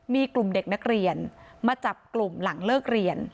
มีกลุ่มเด็กนักเรียนมาจับกลุ่มหลังเลิกเรียน